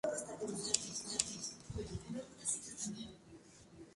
Starr completaría el último álbum de estudio, iniciado por Hudson, reclutando a Dave Stewart.